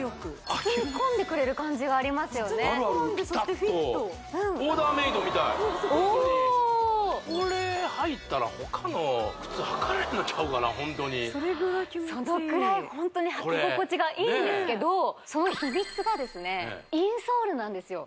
あるあるピタッとオーダーメードみたいおおこれ履いたら他の靴履かれへんのちゃうかなホントにそれぐらい気持ちいいそのくらいホントに履き心地がいいんですけどその秘密がですねインソールなんですよ